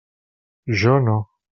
Jo no.